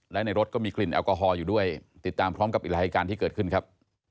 และในรถก็มีกลิ่นแอลกอฮอลอยู่ด้วยติดตามพร้อมกับอีกหลายเหตุการณ์ที่เกิดขึ้นครับ